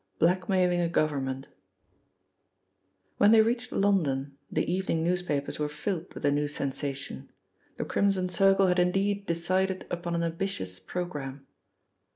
— BLACKMAILING A GOVERNMENT WHEN they reached London the evening newspapers were filled with the new sensation. The Crimson Circle had indeed decided upon an ambitious programme.